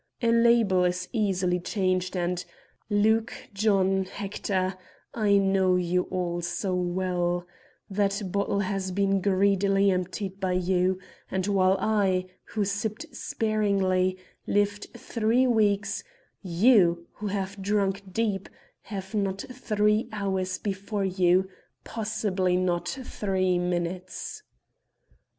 A label is easily changed and Luke, John, Hector, I know you all so well that bottle has been greedily emptied by you; and while I, who sipped sparingly, lived three weeks, you, who have drunk deep, have not three hours before you, possibly not three minutes."